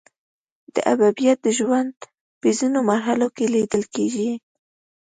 دا حبیبات د ژوند په ځینو مرحلو کې لیدل کیږي.